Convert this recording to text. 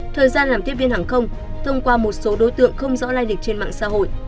thời gian làm tiếp viên hàng không thông qua một số đối tượng không rõ lai lịch trên mạng xã hội